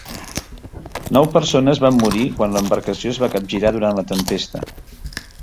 Nou persones van morir quan l'embarcació es va capgirar durant la tempesta.